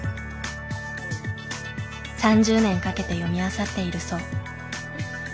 ３０年かけて読みあさっているそう。